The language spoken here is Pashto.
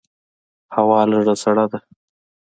هوا لږه سړه ده.